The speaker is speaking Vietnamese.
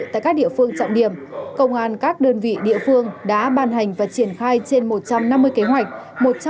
tại các địa phương trọng điểm công an các đơn vị địa phương đã ban hành và triển khai trên một trăm năm mươi kế hoạch